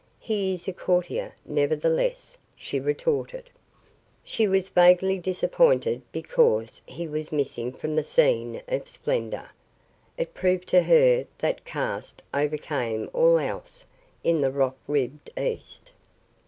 "He is a courtier, nevertheless," she retorted. She was vaguely disappointed because he was missing from the scene of splendor. It proved to her that caste overcame all else In the rock ribbed east.